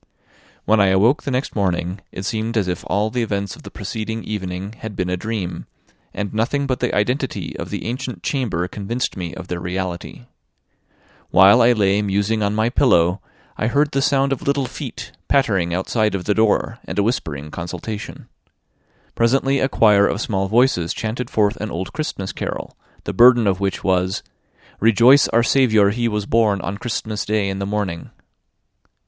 When I awoke the next morning, it seemed as if all the events of the preceding evening had been a dream, and nothing but the identity of the ancient chamber convinced me of their reality. While I lay musing on my pillow, I heard the sound of little feet pattering outside of the door, and a whispering consultation. Presently a choir of small voices chanted forth an old Christmas carol, the burden of which was: "Rejoice, our Saviour he was born On Christmas Day in the morning."